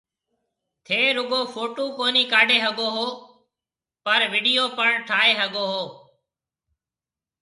ٿيَ رُگو ڦوٽُو ڪونِي ڪاڊَي ھگو پر ويڊيو پڻ ٺائيَ ھگو ھو